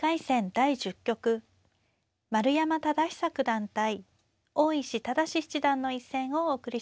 第１０局丸山忠久九段対大石直嗣七段の一戦をお送りします。